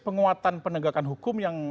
penguatan penegakan hukum yang